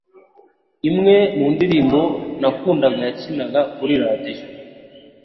Imwe mu ndirimbo nakundaga yakinaga kuri radiyo.